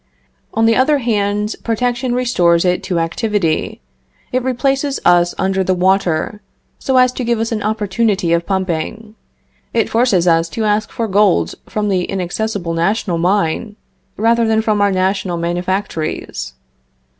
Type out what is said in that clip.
On the other hand, protection restores it to activity; it replaces us under the water, so as to give us an opportunity of pumping; it forces us to ask for gold from the inaccessible national mine, rather than from our national manufactories.